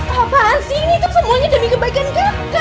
apaan sih ini itu semuanya demi kebaikan kakak